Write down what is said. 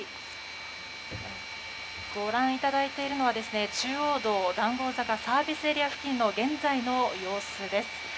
ご覧いただいているのは中央道、談合坂ＳＡ付近の現在の様子です。